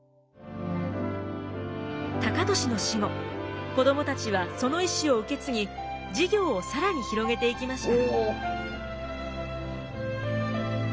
高利の死後子どもたちはその意思を受け継ぎ事業を更に広げていきました。